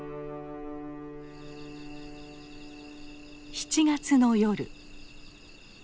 ７月の夜。